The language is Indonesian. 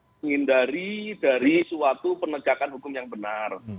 menghindari dari suatu penegakan hukum yang benar